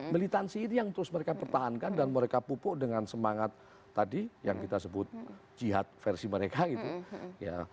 militansi ini yang terus mereka pertahankan dan mereka pupuk dengan semangat tadi yang kita sebut jihad versi mereka gitu